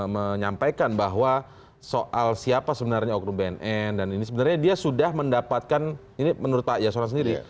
menyampaikan bahwa soal siapa sebenarnya oknum bnn dan ini sebenarnya dia sudah mendapatkan ini menurut pak yasona sendiri